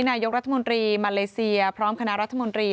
นายกรัฐมนตรีมาเลเซียพร้อมคณะรัฐมนตรี